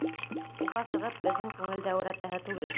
Уға сығып беҙҙең күңелде әүрәтәһе түгел.